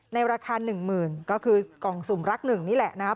ในราคา๑๐๐๐บาทก็คือกล่องสุ่มรัก๑นี่แหละ